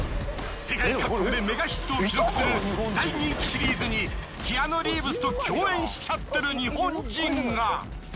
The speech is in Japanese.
世界各国でメガヒットを記録する大人気シリーズにキアヌ・リーブスと共演しちゃってる日本人が。